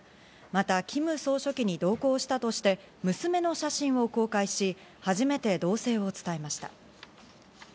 またキム総書記に同行したとして、娘の写真を公開し、初めて動静を伝えました。